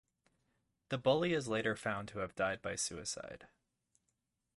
The bully is later found to have died by suicide.